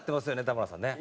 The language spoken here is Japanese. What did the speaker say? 田村さんね。